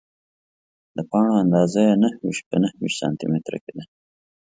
د پاڼو اندازه یې نهه ویشت په یوویشت سانتي متره کې ده.